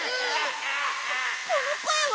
このこえは。